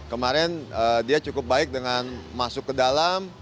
kemarin dia cukup baik dengan masuk ke dalam